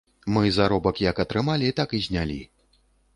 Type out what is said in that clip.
Мы заробак як атрымалі, так і знялі.